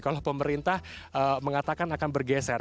kalau pemerintah mengatakan akan bergeser